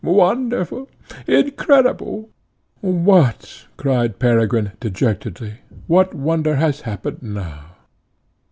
Wonderful! incredible!" "What?" cried Peregrine dejectedly, "what wonder has happened now?"